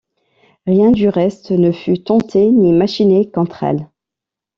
Rien du reste ne fut tenté ni machiné contre elle.